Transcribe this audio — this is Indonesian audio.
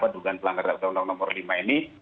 dugaan pelanggar daftar undang nomor lima ini